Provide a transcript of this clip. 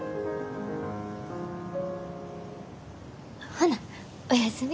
ほな、おやすみ。